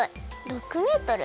６メートル！？